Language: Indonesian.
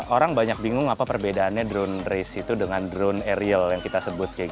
orang banyak bingung apa perbedaannya drone race itu dengan drone aerial yang kita sebut